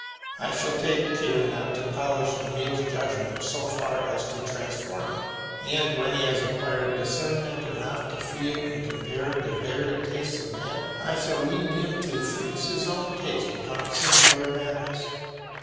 I shall take care not to polish Emile's judgment so far as to transform it, and when he has acquired discernment enough to feel and compare the varied tastes of men, I shall lead him to fix his own taste upon simpler matters.